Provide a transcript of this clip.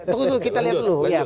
tunggu dulu kita lihat dulu